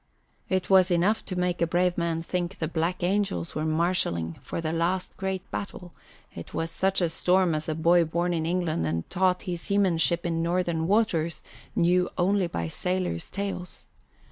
It was enough to make a brave man think the black angels were marshalling for the last great battle; it was such a storm as a boy born in England and taught his seamanship in northern waters knew only by sailors' tales.